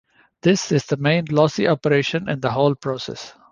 This is the main lossy operation in the whole process.